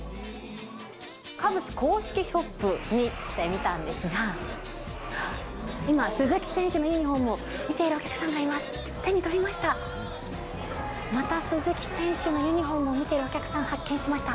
カブス公式ショップに来てみたんですが、今、鈴木選手のユニホームを見ているお客さんがいます。